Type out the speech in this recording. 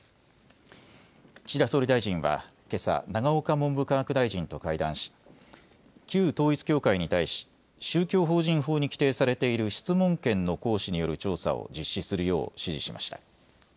岸田総理大臣はけさ永岡文部科学大臣と会談し旧統一教会に対し宗教法人法に規定されている質問権の行使による調査を実施するよう指示しました。